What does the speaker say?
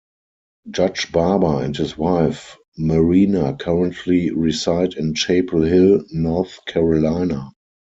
Judge Barber and his wife Marina currently reside in Chapel Hill, North Carolina.